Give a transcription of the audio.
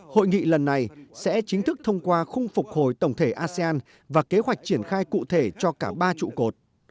hội nghị lần này sẽ chính thức thông qua khung phục hồi tổng thể asean và kế hoạch triển khai cụ thể cho cả ba trụ cột